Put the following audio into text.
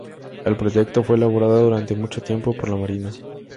El proyecto fue elaborado durante mucho tiempo por la Marina.